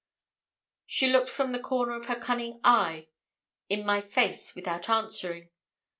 She looked from the corner of her cunning eye in my face without answering.